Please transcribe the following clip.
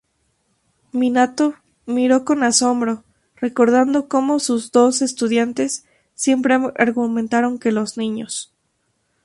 Minato miró con asombro, recordando cómo sus dos estudiantes siempre argumentaron que los niños.